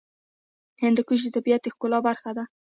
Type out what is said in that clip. هندوکش د طبیعت د ښکلا برخه ده.